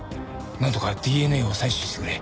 なんとかＤＮＡを採取してくれ。